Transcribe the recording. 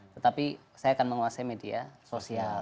tetapi saya akan menguasai media sosial